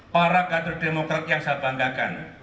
para kader demokrat yang saya banggakan